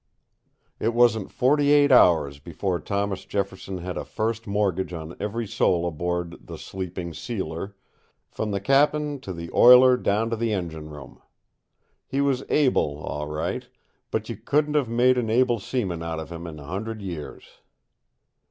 It wasn't forty eight hours before Thomas Jefferson had a first mortgage on every soul aboard the "Sleeping Sealer," from the cap'n to the oiler down in the engine room. He was able, all right, but you couldn't have made an able seaman out of him in a hundred years.